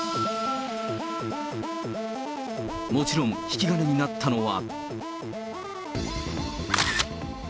もちろん、引き金になったのは。